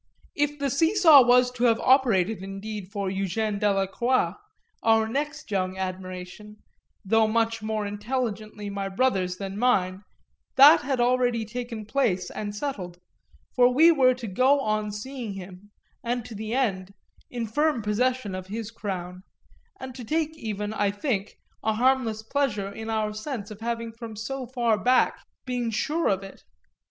If the see saw was to have operated indeed for Eugène Delacroix, our next young admiration, though much more intelligently my brother's than mine, that had already taken place and settled, for we were to go on seeing him, and to the end, in firm possession of his crown, and to take even, I think, a harmless pleasure in our sense of having from so far back been sure of it.